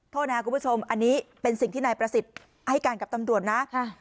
โทษนะครับคุณผู้ชมอันนี้เป็นสิ่งที่นายประสิทธิ์ให้การกับตำรวจนะ